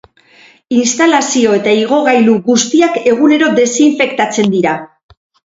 Instalazio eta igogailu guztiak egunero desinfektatzen dira.